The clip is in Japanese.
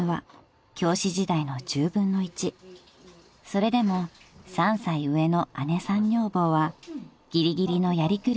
［それでも３歳上の姉さん女房はギリギリのやりくりでしのいでいます］